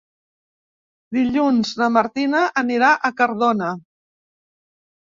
Dilluns na Martina anirà a Cardona.